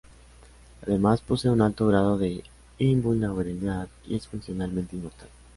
Además, posee un alto grado de invulnerabilidad y es funcionalmente inmortal.